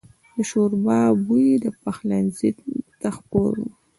د شوربه بوی پخلنځي ته خپور و.